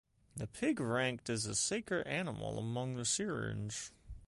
The pig ranked as a sacred animal among the Syrians.